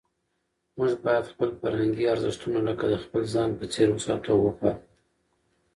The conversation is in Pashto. موږ باید خپل فرهنګي ارزښتونه لکه د خپل ځان په څېر وساتو او وپالو.